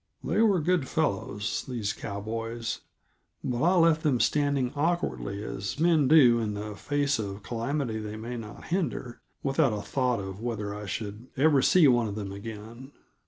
They were good fellows, those cowboys, but I left them standing awkwardly, as men do in the face of calamity they may not hinder, without a thought of whether I should ever see one of them again.